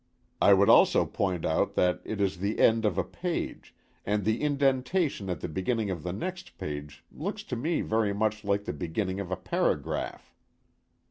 I would also point out that it is the end of a page, and the indentation at the beginning of the next page looks to me very much like the beginning of a paragraph.